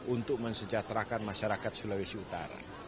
untuk mensejahterakan masyarakat sulawesi utara